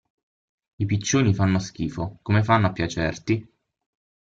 I piccioni fanno schifo, come fanno a piacerti?